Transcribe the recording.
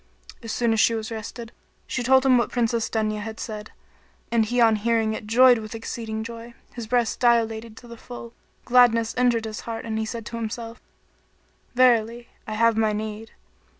As soon as she was rested, she told him what Princess Dunya had said; and he on hearing it joyed with exceeding joy; his breast dilated to the full; gladness entered his heart and he said to himself, "Verily, I have my need."